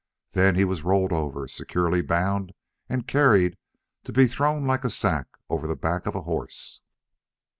Then he was rolled over, securely bound, and carried, to be thrown like a sack over the back of a horse.